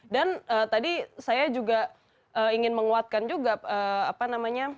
dan tadi saya juga ingin menguatkan juga